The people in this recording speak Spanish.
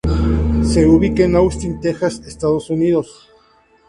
Se ubica en Austin, Texas, Estados Unidos.